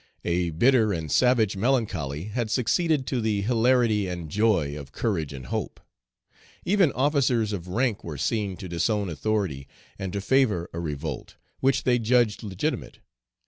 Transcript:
A bitter and savage melancholy had succeeded to the hilarity and joy of courage and hope. Even officers of rank were seen to disown authority and to favor a revolt, which they judged legitimate.